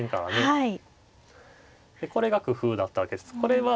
はい。